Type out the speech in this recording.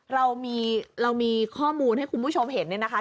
เรามีข้อมูลให้คุณผู้ชมเห็นเนี่ยนะคะ